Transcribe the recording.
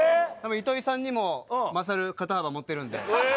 糸井さんにも勝る肩幅持ってるんで。